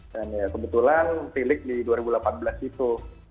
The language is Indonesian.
dan ya kebetulan tilik di dua ribu delapan belas itu